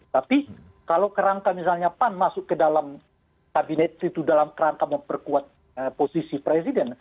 tapi kalau kerangka misalnya pan masuk ke dalam kabinet itu dalam kerangka memperkuat posisi presiden